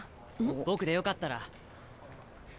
僕でよかったら。